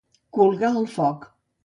Colgar el foc.